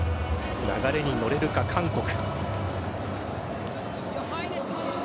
流れに乗れるか、韓国。